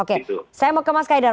oke saya mau ke mas kaidar